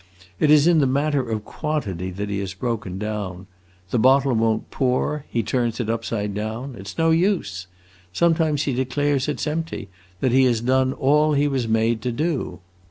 It is in the matter of quantity that he has broken down. The bottle won't pour; he turns it upside down; it 's no use! Sometimes he declares it 's empty that he has done all he was made to do.